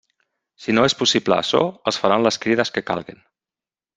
Si no és possible açò, es faran les crides que calguen.